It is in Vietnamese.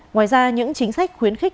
ngoài ra những chính sách khuyến khích